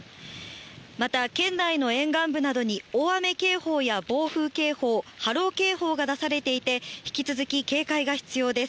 また県内の沿岸部などに、大雨警報や暴風警報、波浪警報が出されていて、引き続き警戒が必要です。